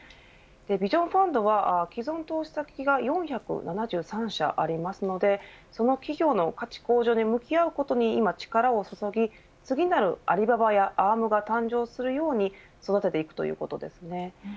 ビジョンファンドは既存投資先が４７３社ありますのでその企業の価値向上に向き合うことに今、力を注ぎ次なるアリババやアームが誕生するように育てていくということですね。